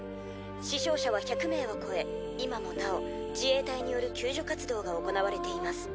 死傷者は１００名を超え今もなお自衛隊による救助活動が行われています。